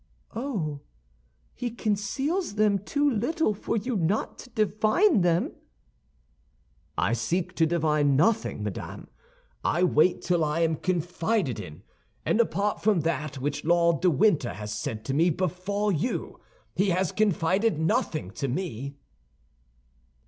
"Oh, he conceals them too little for you not to divine them." "I seek to divine nothing, madame; I wait till I am confided in, and apart from that which Lord de Winter has said to me before you, he has confided nothing to me."